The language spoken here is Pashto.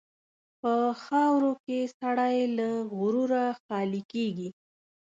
په خاوره کې سړی له غروره خالي کېږي.